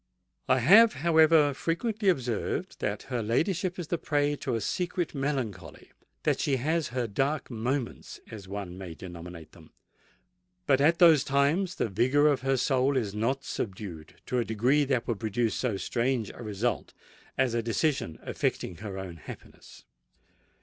I have, however, frequently observed that her ladyship is the prey to a secret melancholy—that she has her dark moments, as one may denominate them; but at those times the vigour of her soul is not subdued to a degree that would produce so strange a result as a decision affecting her own happiness.